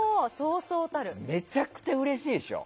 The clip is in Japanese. めちゃくちゃ嬉しいでしょ。